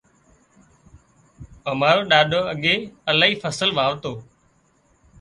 امارو ڏاڏو اڳي الاهي فصل واوتو